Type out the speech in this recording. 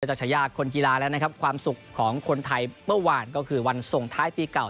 จากฉายาคนกีฬาแล้วนะครับความสุขของคนไทยเมื่อวานก็คือวันส่งท้ายปีเก่า